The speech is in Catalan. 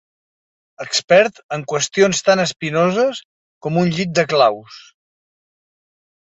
Expert en qüestions tan espinoses com un llit de claus.